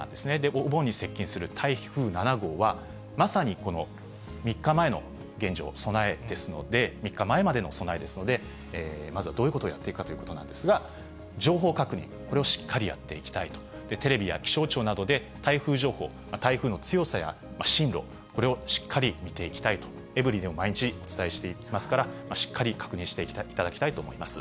お盆に接近する台風７号は、まさにこの３日前の現状、備えですので、３日前までの備えですので、まずはどういうことをやっていくかということなんですが、情報確認、これをしっかりやっておきたいと、テレビや気象庁などで台風情報、台風の強さや進路、これをしっかり見ていきたいと、エブリィでも毎日お伝えしていきますから、しっかり確認していただきたいと思います。